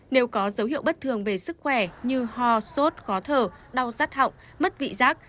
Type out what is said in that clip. nếu có dấu hiệu bất thường về sức khỏe như ho sốt khó thở đau rát hỏng mất vị rác